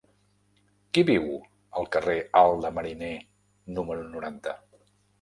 Qui viu al carrer Alt de Mariner número noranta?